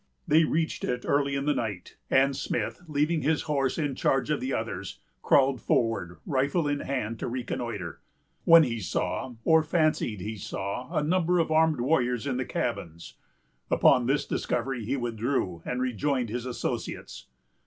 They reached it early in the night; and Smith, leaving his horse in charge of the others, crawled forward, rifle in hand, to reconnoitre; when he saw, or fancied he saw, a number of armed warriors in the cabins. Upon this discovery he withdrew, and rejoined his associates.